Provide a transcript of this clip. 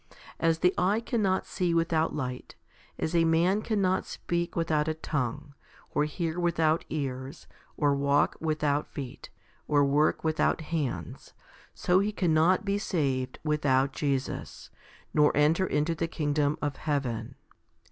As the eye cannot see without light, as a man cannot speak without a tongue, or hear without ears, or walk without feet, or work without hands, so he cannot be saved without Jesus, nor enter into the kingdom of heaven.